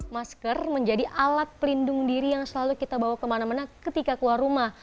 masker menjadi alat pelindung diri yang selalu kita bawa kemana mana ketika keluar rumah